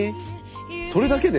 それだけで？